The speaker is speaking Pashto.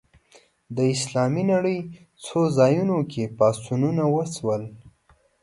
د اسلامي نړۍ څو ځایونو کې پاڅونونه وشول